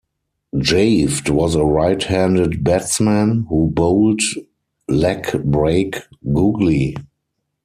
Javed was a right-handed batsman who bowled leg break googly.